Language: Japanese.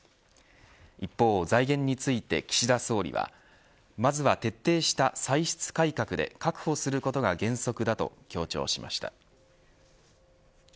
一方、財源について岸田総理はまずは徹底した歳出改革で確保することが原則だと強調しました。